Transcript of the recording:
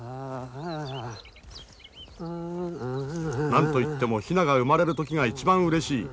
何と言ってもヒナが生まれる時が一番うれしい。